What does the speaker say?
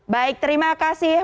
baik terima kasih